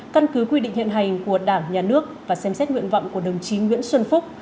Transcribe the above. căn cứ quy định hiện hành của đảng nhà nước và xem xét nguyện vọng của đồng chí nguyễn xuân phúc